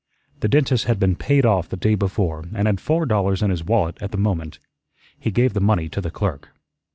The dentist had been paid off the day before and had four dollars in his wallet at the moment. He gave the money to the clerk.